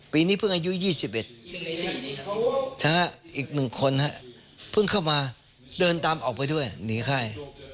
ปีนี้เพิ่งอายุยี่สิบเอ็ดถ้าอีกหนึ่งคนเพิ่งเข้ามาเดินตามออกไปด้วยหนีไข้